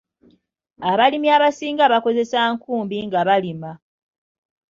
Abalimi abasinga bakozesa nkumbi nga balima.